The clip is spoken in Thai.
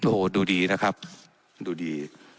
โอ้โหดูดีนะครับดูดี